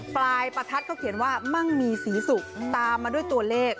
ปลายประทัดเขาเขียนว่ามั่งมีสีสุกตามมาด้วยตัวเลข